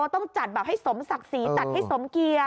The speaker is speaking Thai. ต้องจัดแบบให้สมศักดิ์ศรีจัดให้สมเกียจ